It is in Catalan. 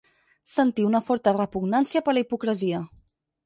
Sentir una forta repugnància per la hipocresia.